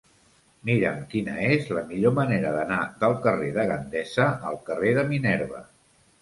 Mira'm quina és la millor manera d'anar del carrer de Gandesa al carrer de Minerva.